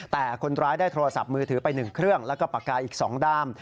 แต่คนร้ายได้โทรศัพท์มือถือไป๑เครื่องแล้วก็ปากกาอีก๒ด้าม